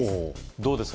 どうですか？